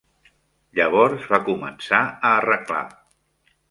Llavors va començar a arreglar.